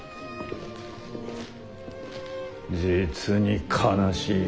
実に悲しい。